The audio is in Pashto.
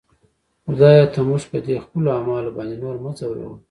خدایه! ته موږ په دې خپلو اعمالو باندې نور مه ځوروه.